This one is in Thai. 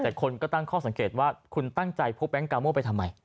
แต่คนก็ตั้งข้อสังเกตว่าคุณตั้งใจพกแก๊งกาโม่ไปทำไม